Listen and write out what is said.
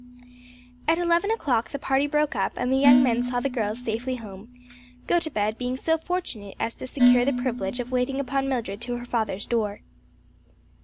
At eleven o'clock the party broke up and the young men saw the girls safely home, Gotobed being so fortunate as to secure the privilege of waiting upon Mildred to her father's door.